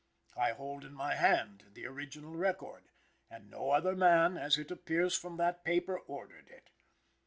I hold in my hand the original record, and no other man as it appears from that paper ordered it.